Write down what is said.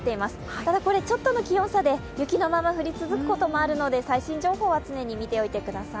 ただ、これちょっとの気温差で雪のまま降り続くこともあるので最新情報は常に見ていてください。